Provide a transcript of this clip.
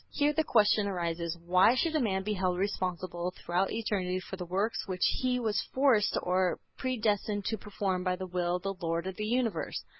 Here the question arises why should a man be held responsible throughout eternity for the works which he was forced or predestined to perform by the will of the Lord of the universe?